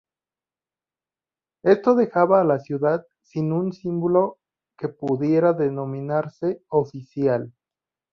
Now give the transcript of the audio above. Esto dejaba a la ciudad sin un símbolo que pudiera denominarse "oficial".